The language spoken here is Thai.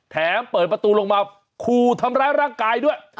เปิดประตูลงมาขู่ทำร้ายร่างกายด้วย